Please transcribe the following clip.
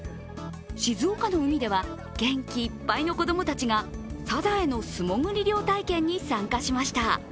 静岡の海では元気いっぱいの子供たちがサザエの素潜り漁体験に参加しました。